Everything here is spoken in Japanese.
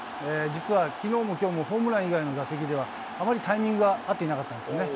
実はきのうもきょうも、ホームラン以外の打席では、あまりタイミングが合っていなかったんですね。